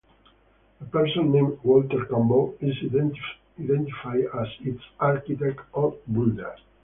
A person named Walter Campbell is identified as its architect or builder.